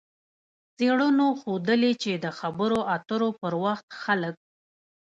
څېړنو ښودلې چې د خبرو اترو پر وخت خلک